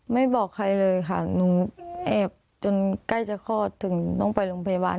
ไม่บอกใครเลยค่ะหนูแอบจนใกล้จะคลอดถึงต้องไปโรงพยาบาล